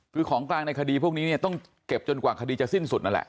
คือของกลางในคดีพวกนี้เนี่ยต้องเก็บจนกว่าคดีจะสิ้นสุดนั่นแหละ